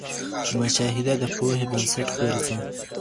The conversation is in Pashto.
مشاهده د پوهي بنسټ ګرځي.